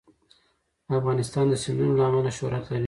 افغانستان د سیندونه له امله شهرت لري.